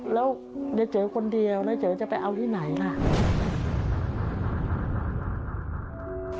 แล้วเดี๋ยวเจอคนเดียวแล้วเจอจะไปเอาที่ไหนล่ะ